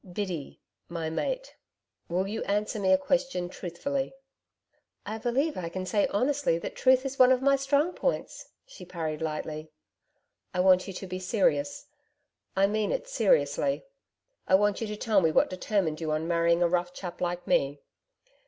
'Biddy my mate will you answer me a question truthfully?' 'I believe I can say honestly, that truth is one of my strong points,' she parried lightly. 'I want you to be serious. I mean it seriously. I want you to tell me what determined you on marrying a rough chap like me?